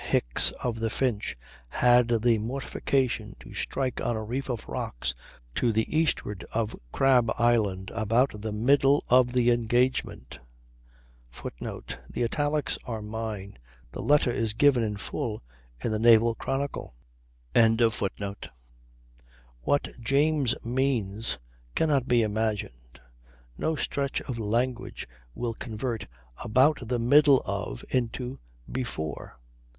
Hicks, of the Finch, had the mortification to strike on a reef of rocks to the eastward of Crab Island about the middle of the engagement." [Footnote: The italics are mine. The letter is given in full in the "Naval Chronicle."] What James means cannot be imagined; no stretch of language will convert "about the middle of" into "before."